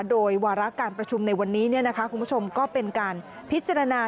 โดยวาระการประชุมในวันนี้คุณผู้ชมก็เป็นการพิจารณา